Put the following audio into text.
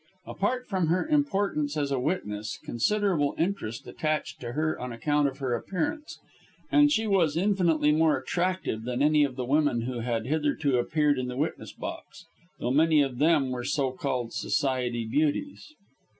Apart from her importance as a witness, considerable interest attached to her on account of her appearance she was infinitely more attractive than any of the women who had hitherto appeared in the witness box though many of them were so called Society beauties.